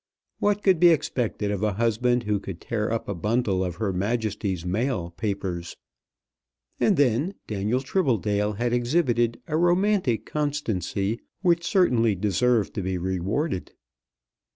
What could be expected of a husband who could tear up a bundle of Her Majesty's Mail papers? And then Daniel Tribbledale had exhibited a romantic constancy which certainly deserved to be rewarded.